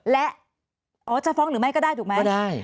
และอ๋อจะฟ้องหรือไม่ก็ได้ถูกไหม